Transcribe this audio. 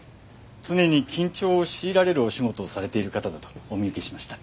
常に緊張を強いられるお仕事をされている方だとお見受けしました。